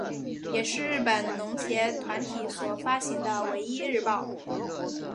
也是日本农协团体所发行的唯一日报。